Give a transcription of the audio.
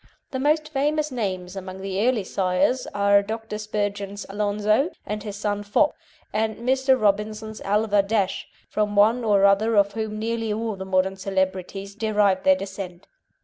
The most famous names among the early sires are Dr. Spurgin's Alonzo and his son Fop, and Mr. Robinson's Alva Dash, from one or other of whom nearly all the modern celebrities derive their descent.